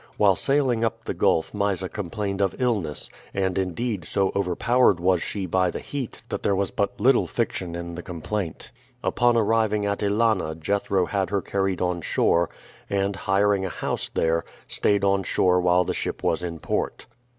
While sailing up the gulf Mysa complained of illness, and indeed so overpowered was she by the heat that there was but little fiction in the complaint. Upon arriving at Ælana Jethro had her carried on shore, and, hiring a house there, stayed on shore while the ship was in port.